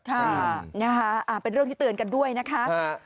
ค่ะนะคะเป็นเรื่องที่เตือนกันด้วยนะคะ